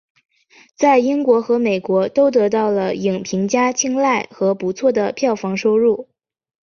在英国和美国都得到了影评家青睐和不错的票房收入。